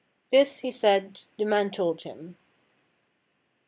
This, he said, the man told him.